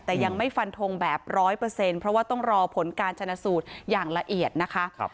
แต่ยังไม่ฟันทงแบบ๑๐๐เพราะว่าต้องรอผลการชนะสูตรอย่างละเอียดนะคะ